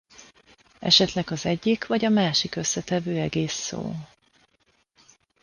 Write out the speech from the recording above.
Esetleg az egyik vagy a másik összetevő egész szó.